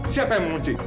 siapa yang mengunci